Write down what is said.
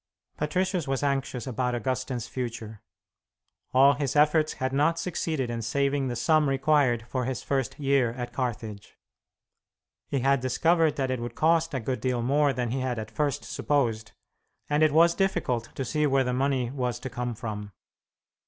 Patricius was anxious about Augustine's future. All his efforts had not succeeded in saving the sum required for his first year at Carthage. He had discovered that it would cost a good deal more than he had at first supposed, and it was difficult to see where the money was to come from.